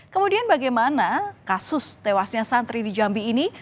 kemudian bagaimana kasus tewasnya santri di jambi ini